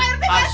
pak rt pak rt